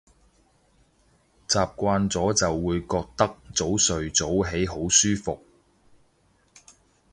習慣咗就會覺得早睡早起好舒服